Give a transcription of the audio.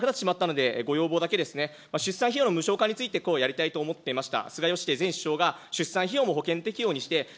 時間がなくなってしまったので、ご要望だけ、出産費用の無償化について、やりたいと思っていました。